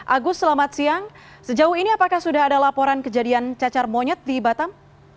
agus selamat siang sejauh ini apakah sudah ada laporan kejadian cacar monyet di batam